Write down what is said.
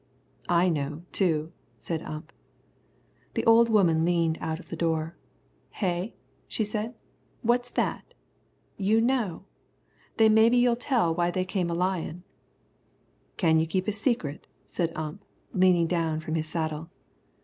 "I know, too," said Ump. The old woman leaned out of the door. "Hey?" she said; "what's that? You know? Then maybe you'll tell why they come a lyin'." "Can you keep a secret?" said Ump, leaning down from his saddle.